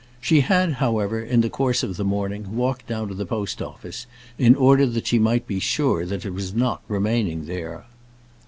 She had, however, in the course of the morning, walked down to the post office, in order that she might be sure that it was not remaining there.